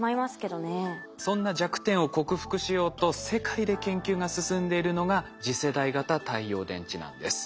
そんな弱点を克服しようと世界で研究が進んでいるのが次世代型太陽電池なんです。